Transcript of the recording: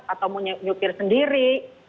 atau mau nyupir sendiri